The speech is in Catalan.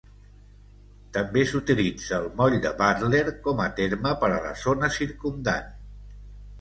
També s'utilitza el moll de Butler com a terme per a la zona circumdant.